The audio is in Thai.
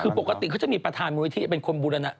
คือปกติก็จะมีประธานมูลไอ้ที่เป็นคนบูรณะ